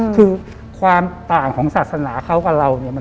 คือความต่างของศาสนาเขากับเราเนี่ย